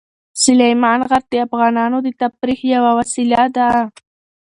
سلیمان غر د افغانانو د تفریح یوه وسیله ده.